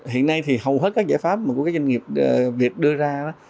hiện nay thì hầu hết các giải pháp mà của các doanh nghiệp việt đưa ra